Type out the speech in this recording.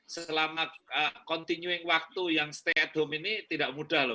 selama continuing waktu yang stay at home ini tidak mudah loh